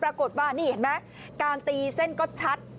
ปรากฏว่านี่เห็นไหมการตีเส้นก็ชัด